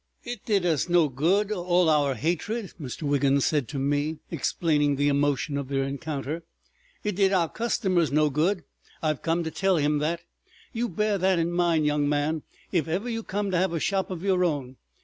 "It did us no good, all our hatred," Mr. Wiggins said to me, explaining the emotion of their encounter; "it did our customers no good. I've come to tell him that. You bear that in mind, young man, if ever you come to have a shop of your own.